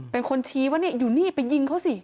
เป็นคนชี้ว่านี่อยู่นี่ไปยิงเขาสิ